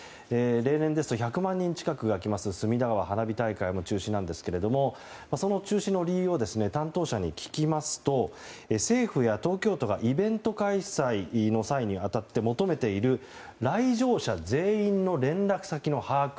例年ですと１００万人近くが来ます隅田川花火大会も中止なんですけどその中止の理由を担当者に聞きますと政府や東京都がイベント開催の際に当たって求めている来場者全員の連絡先の把握。